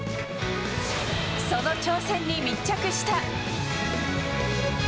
その挑戦に密着した。